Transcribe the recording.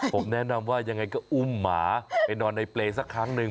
ผมแนะนำว่ายังไงก็อุ้มหมาไปนอนในเปรย์สักครั้งหนึ่ง